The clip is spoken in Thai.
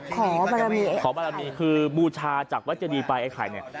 ขอบารมีขอบารมีคือบูชาจากวัดเจดีไปไอ้ไข่เนี่ย